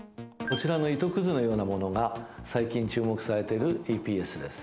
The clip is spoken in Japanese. こちらの糸くずのようなものが最近注目されてるＥＰＳです。